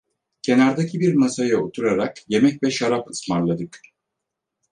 Kenardaki bir masaya oturarak yemek ve şarap ısmarladık.